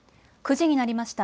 ９時になりました。